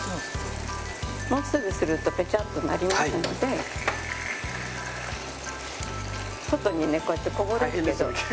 もうすぐするとペチャッとなりますので外にねこうやってこぼれるんですよ。